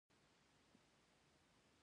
هغه وویل چې ورسیږې دا دومره غټ شی نه دی.